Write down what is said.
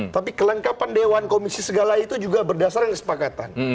tapi kelengkapan dewan komisi segala itu juga berdasarkan kesepakatan